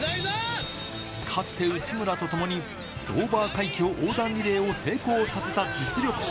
かつて内村と共に、ドーバー海峡横断リレーを成功させた実力者。